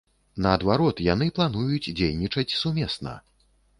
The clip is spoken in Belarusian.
Наадварот, яны плануюць дзейнічаць сумесна.